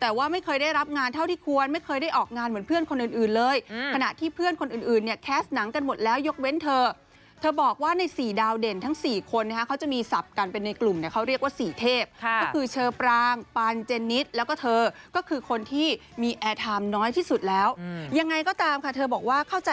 แต่ว่าไม่เคยได้รับงานเท่าที่ควรไม่เคยได้ออกงานเหมือนเพื่อนคนอื่นเลยขณะที่เพื่อนคนอื่นแคสต์หนังกันหมดแล้วยกเว้นเธอเธอบอกว่าในสี่ดาวเด่นทั้งสี่คนเขาจะมีสับกันเป็นในกลุ่มเขาเรียกว่าสี่เทพก็คือเชอปรางปานเจนิสแล้วก็เธอก็คือคนที่มีแอร์ทามน้อยที่สุดแล้วยังไงก็ตามค่ะเธอบอกว่าเข้าใจ